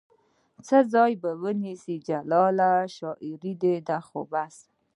څه ځای به ونیسي جلانه ؟ شاعرې ده خو بس